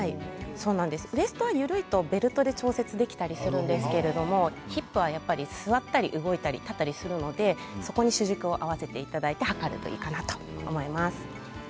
ウエストは緩いとベルトで調節ができたりするんですけれどヒップは座ったり動いたり立ったり座ったりするのでそこに主軸を合わせた測ってもらったらいいと思います。